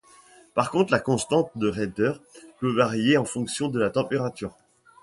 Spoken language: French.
Par contre, la constante de raideur peut varier en fonction de la température.